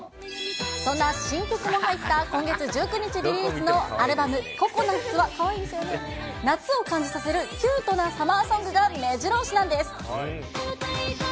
そんな新曲も入った今月１９日リリースのアルバム、ＣＯＣＯＮＵＴは夏を感じさせるキュートなサマーソングがめじろ押しなんです。